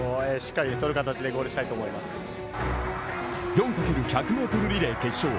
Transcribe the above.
４×１００ｍリレー決勝。